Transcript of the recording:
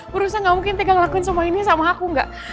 berosa gak mungkin tegang lakuin semua ini sama aku enggak